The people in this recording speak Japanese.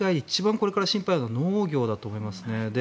これから一番心配なのは農業だと思いますね。